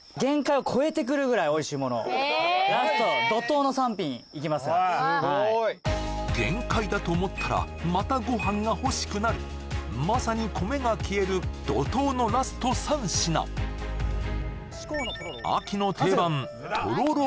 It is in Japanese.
えーっラスト限界だと思ったらまたご飯が欲しくなるまさに米が消える怒濤のラスト３品秋の定番とろろ